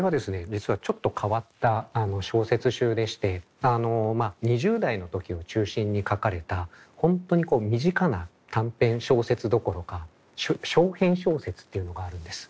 実はちょっと変わった小説集でして２０代の時を中心に書かれた本当に身近な短編小説どころか掌編小説っていうのがあるんです。